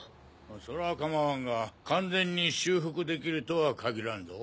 それは構わんが完全に修復できるとは限らんぞ。